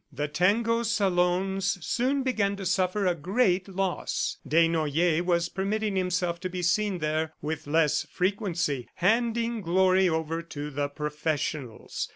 The tango salons soon began to suffer a great loss. Desnoyers was permitting himself to be seen there with less frequency, handing Glory over to the professionals.